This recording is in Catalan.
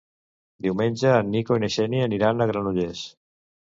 Diumenge en Nico i na Xènia aniran a Granollers.